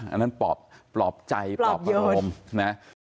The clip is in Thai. อ๋ออันนั้นปอบใจปอบอารมณ์